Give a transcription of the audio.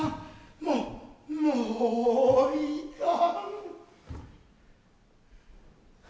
もうもういかん。